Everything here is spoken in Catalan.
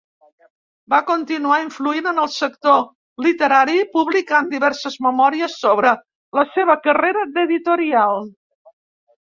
Va continuar influint en el sector literari publicant diverses memòries sobre la seva carrera d'editorial.